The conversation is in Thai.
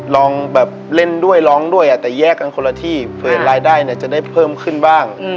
ลองแบบเล่นด้วยร้องด้วยแต่แยกกันคนละที่เผื่อรายได้เนี่ยจะได้เพิ่มขึ้นบ้าง